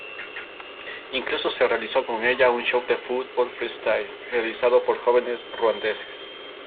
Incluso se realizó con ella un show de fútbol freestyle realizado por jóvenes ruandeses.